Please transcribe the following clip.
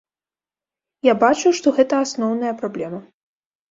Я бачу, што гэта асноўная праблема.